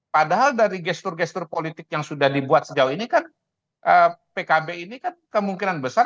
padahal dari gestur gestur politik yang sudah dibuat sejauh ini kan pkb ini kan kemungkinan besar